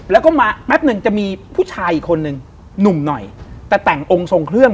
แล้วก็มาแป๊บหนึ่งจะมีผู้ชายอีกคนนึงหนุ่มหน่อยแต่แต่งองค์ทรงเครื่อง